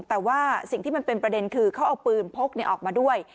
แต่ว่าสิ่งที่มันเป็นประเด็นคือเขาเอาปืนพกออกมาด้วย